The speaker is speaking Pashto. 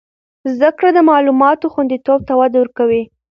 زده کړه د معلوماتو خوندیتوب ته وده ورکوي.